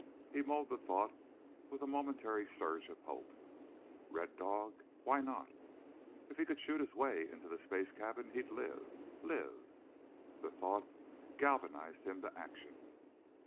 He mulled the thought with a momentary surge of hope. Red Dog? Why not? If he could shoot his way into the space cabin he'd live ... live. The thought galvanized him to action.